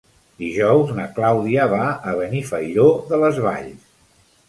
Dijous na Clàudia va a Benifairó de les Valls.